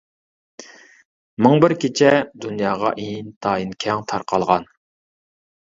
«مىڭ بىر كېچە» دۇنياغا ئىنتايىن كەڭ تارقالغان.